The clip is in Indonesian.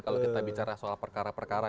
kalau kita bicara soal perkara perkara